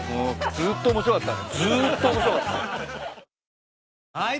ずっと面白かった。